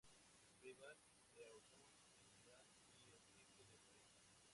Privat, Beaumont y Sedán, y en el Sitio de París.